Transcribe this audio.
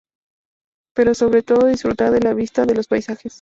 Pero sobre todo disfrutar de la vista de los paisajes.